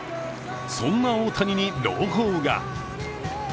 そんな大谷に朗報が。